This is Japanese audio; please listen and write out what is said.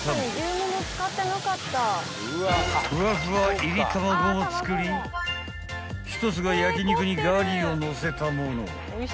［ふわふわいり卵も作り１つが焼き肉にガリをのせたもの］